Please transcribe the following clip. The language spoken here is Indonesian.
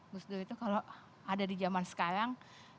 gus dur itu kalau ada di zaman sekarang